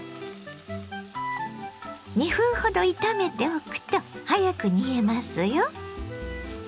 ２分ほど炒めておくと早く煮えますよ。